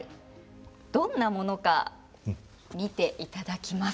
どんなものか見ていただきます。